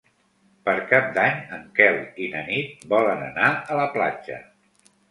Per Cap d'Any en Quel i na Nit volen anar a la platja.